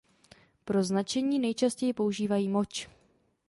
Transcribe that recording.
Pro značení nejčastěji používají moč.